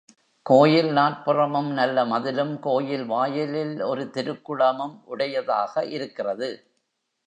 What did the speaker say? கோயில் நாற்புறமும் நல்ல மதிலும், கோயில் வாயிலில் ஒரு திருக்குளமும் உடையதாக இருக்கிறது.